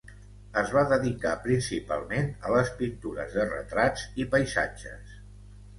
Es va dedicar principalment a les pintures de retrats i paisatges.